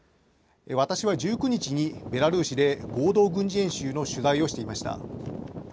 私は１９日に、ベラルーシで合同軍事演習の取材をしていました。